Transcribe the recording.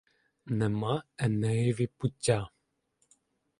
Нема Енеєві пуття!